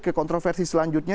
ke kontroversi selanjutnya